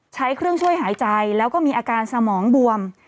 ใช้เครื่องช่วยหายใจแล้วก็มีอาการสมองบวม